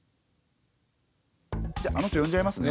じゃああの人呼んじゃいますね。